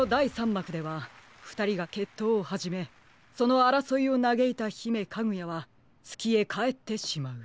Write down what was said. まくではふたりがけっとうをはじめそのあらそいをなげいたひめカグヤはつきへかえってしまう。